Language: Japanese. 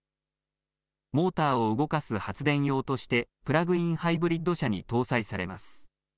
モーターを動かす発電用としてプラグインハイブリッド車に搭載されます。